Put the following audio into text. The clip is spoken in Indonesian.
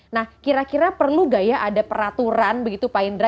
nah kira kira perlu gak ya ada peraturan begitu pak indra